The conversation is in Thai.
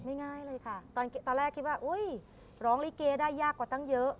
ไม่ง่ายเลยค่ะตอนแรกคิดว่าร้องลิเกได้ยากกว่าเยอะ